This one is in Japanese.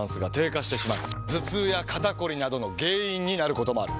頭痛や肩こりなどの原因になることもある。